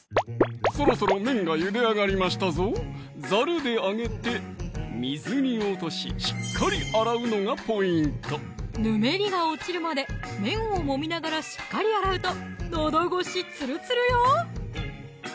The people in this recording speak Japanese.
そろそろ麺がゆで上がりましたぞざるであげて水に落とししっかり洗うのがポイントぬめりが落ちるまで麺をもみながらしっかり洗うとのど越しつるつるよ！